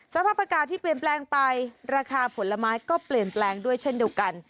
สภาพอากาศที่เปลี่ยนแปลงไปราคาผลไม้ก็เปลี่ยนแปลงด้วยเช่นเดียวกัน